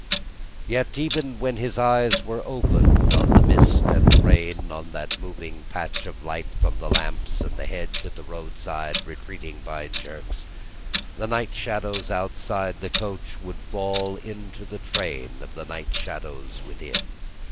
Yet even when his eyes were opened on the mist and rain, on the moving patch of light from the lamps, and the hedge at the roadside retreating by jerks, the night shadows outside the coach would fall into the train of the night shadows within.